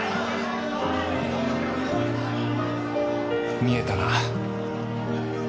見えたな。